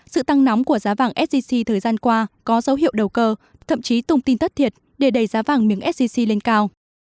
sự tăng nóng của giá vàng szc thời gian qua có dấu hiệu đầu cơ thậm chí tùng tin thất thiệt để đẩy giá vàng miếng szc lên cao